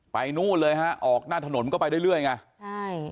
นู่นเลยฮะออกหน้าถนนก็ไปเรื่อยไงใช่